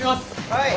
はい。